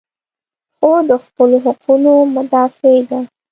خور د خپلو حقونو مدافع ده.